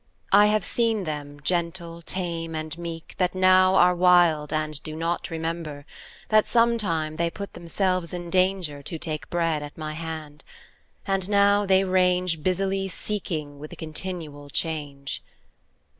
I have seen them gentle tame and meek That now are wild and do not remember That sometime they put themselves in danger To take bread at my hand; and now they range Busily seeking with a continual change.